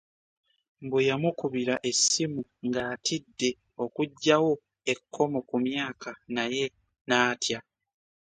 Mbu yamukubira essimu ng'atidde okuggyawo ekkomo ku myaka naye n'atya.